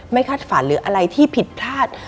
คาดฝันหรืออะไรที่ผิดพลาด